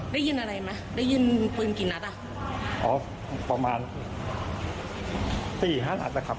ได้ยินอะไรไหมได้ยินปืนกี่นัดอ่ะอ๋อประมาณสี่ห้านัดนะครับ